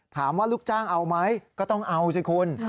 ลูกจ้างเอาไหมก็ต้องเอาสิคุณ